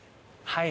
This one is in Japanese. はい。